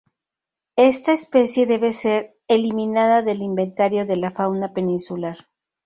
Esta especie debe de ser eliminada del inventario de la fauna peninsular.